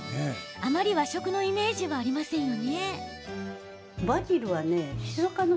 あまり、和食のイメージはありませんが。